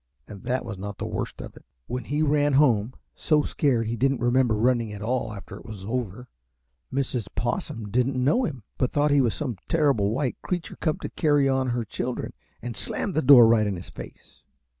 And that was not the worst of it. When he ran home, so scared he didn't remember running at all after it was over, Mrs. Possum didn't know him, but thought he was some terrible white creature come to carry on her children, and slammed the door right in his face.